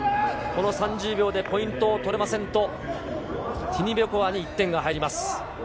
３０秒でポイントを取れないと、ティニベコワに１点が入ります。